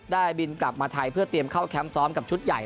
บินกลับมาไทยเพื่อเตรียมเข้าแคมป์ซ้อมกับชุดใหญ่